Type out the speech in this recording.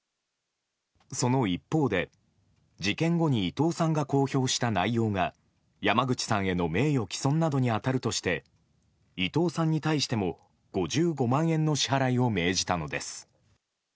その一方で、事件後に伊藤さんが公表した内容が山口さんへの名誉毀損などに当たるとして伊藤さんに対しても５５万円の支払いを命じたのです。